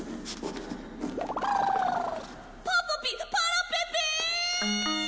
パポピパラペペ！